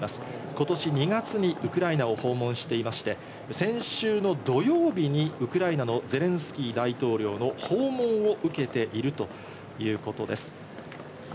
ことし２月にウクライナを訪問していまして、先週の土曜日にウクライナのゼレンスキー大統領の訪問を受けているということです。